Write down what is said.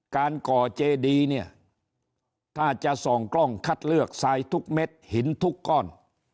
ก่อเจดีเนี่ยถ้าจะส่องกล้องคัดเลือกทรายทุกเม็ดหินทุกก้อน